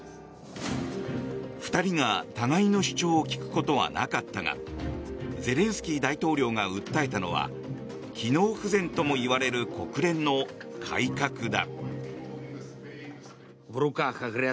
２人が互いの主張を聞くことはなかったがゼレンスキー大統領が訴えたのは機能不全ともいわれる国連の改革だ。